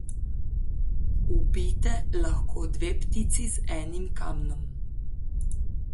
Ubijte lahko dve ptici z enim kamnom.